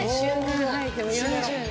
４０年。